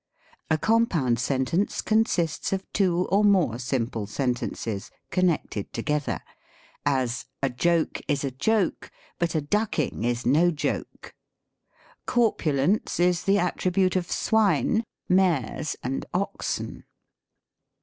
A compound sentence consists of two or more simple sentences connected together : as, " A joke is a joke, but a ducking is no joke. Corpulence is the attribute of swine, mayors, and oxen."